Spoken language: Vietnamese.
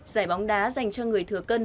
giải bóng đá dành cho người thừa cân